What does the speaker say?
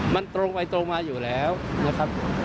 มันตรงไปตรงมาอยู่แล้วนะครับ